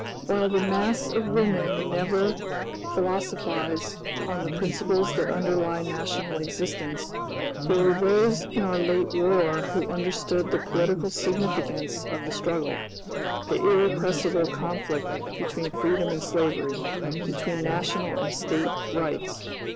While the mass of women never philosophize on the principles that underlie national existence, there were those in our late War who understood the political significance of the struggle; the "irrepressible conflict" between freedom and slavery, between National and State rights.